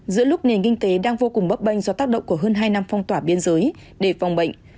giữa lúc nền kinh tế đang vô cùng bấp bênh do tác động của hơn hai năm phong tỏa biên giới để phòng bệnh